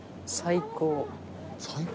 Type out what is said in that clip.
最高。